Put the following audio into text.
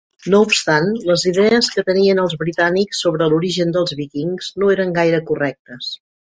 No obstant, les idees que tenien els britànics sobre l'origen dels víkings no eren gaire correctes.